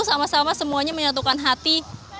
sama sama semuanya menyatukan hati